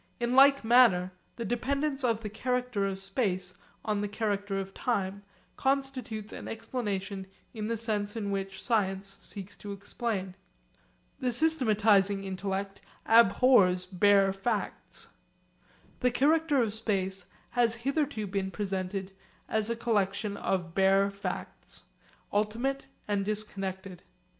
In like manner the dependence of the character of space on the character of time constitutes an explanation in the sense in which science seeks to explain. The systematising intellect abhors bare facts. The character of space has hitherto been presented as a collection of bare facts, ultimate and disconnected.